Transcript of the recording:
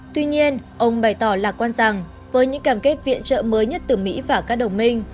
tuy nhiên ông bày tỏ lạc quan rằng với những cảm kết viện trợ mới nhất từ mỹ và các đồng minh